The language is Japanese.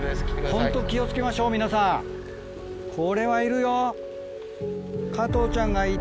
ホント気を付けましょう皆さんこれはいるよ。